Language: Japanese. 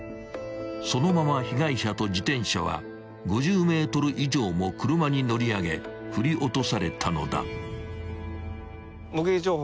［そのまま被害者と自転車は５０ｍ以上も車に乗り上げ振り落とされたのだ］